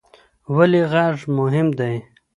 ولې غږ مهم دی؟